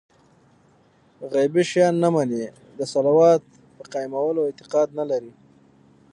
غيبي شيان نه مني، د صلوة په قائمولو اعتقاد نه لري